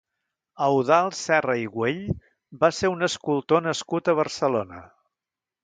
Eudald Serra i Güell va ser un escultor nascut a Barcelona.